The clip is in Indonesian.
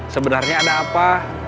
sebenarnya ada apa